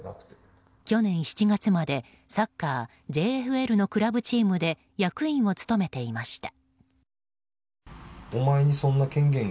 去年７月までサッカーＪＦＬのクラブチームで役員を務めていました。